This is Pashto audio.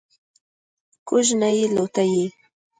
کوږ نه یې لوټه یې.